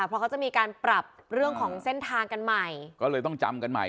เพราะเขาจะมีการปรับเรื่องของเส้นทางกันใหม่ก็เลยต้องจำกันใหม่